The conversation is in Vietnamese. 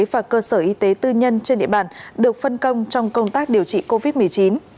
và cơ sở y tế tư nhân trên địa bàn được phân công trong công tác điều trị covid một mươi chín